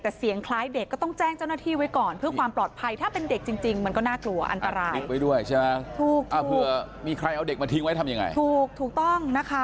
แต่เสียงคล้ายเด็กก็ต้องแจ้งเจ้าหน้าที่ไว้ก่อน